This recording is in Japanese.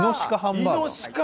イノシカ！